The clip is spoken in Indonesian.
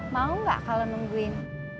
mau nggak kalau nungguin